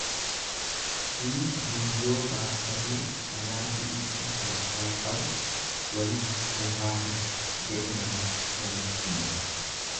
"""Sii buyyoo baattatuu, anaa ibidda harkaa qabu, walitti nu haa fidu"" jedhe namichi namittiin."